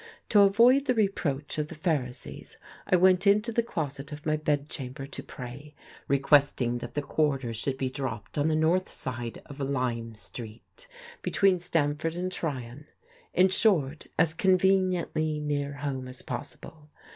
To avoid the reproach of the Pharisees, I went into the closet of my bed chamber to pray, requesting that the quarter should be dropped on the north side of Lyme Street, between Stamford and Tryon; in short, as conveniently near home as possible.